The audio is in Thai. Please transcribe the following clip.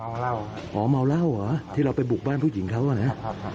เหล้าอ๋อเมาเหล้าเหรอที่เราไปบุกบ้านผู้หญิงเขาอ่ะนะครับ